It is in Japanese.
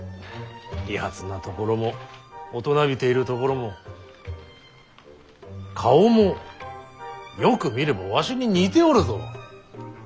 利発なところも大人びているところも顔もよく見ればわしに似ておるぞ。